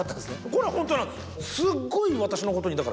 これはホントなんです。